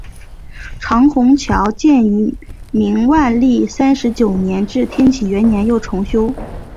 长虹桥建于明万历三十九年至天启元年又重修。